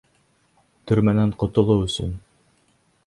Төрмәнән ҡотолоу өсөн.